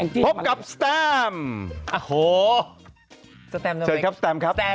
พบกับสแตมโอ้โหสแตมเลยเชิญครับสแตมครับ